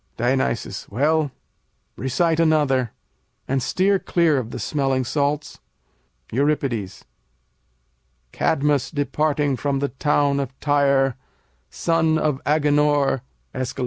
Dion. Well, recite another, and steer clear of the smelling salts. Eur. Cadmus departing from the town of Tyre, Son of Agenor Æsch.